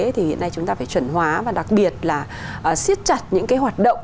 thì hiện nay chúng ta phải chuẩn hóa và đặc biệt là siết chặt những cái hoạt động